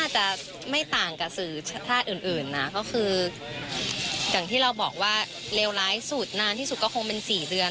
จ่างที่เราบอกว่าเร่วร้ายสุดนานที่สุดก็คงเป็น๔เดือน